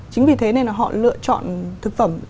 chính vì thế nên là họ lựa chọn thực phẩm